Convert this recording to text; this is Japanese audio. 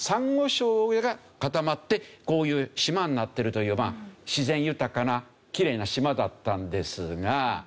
珊瑚礁が固まってこういう島になっているという自然豊かなきれいな島だったのですが。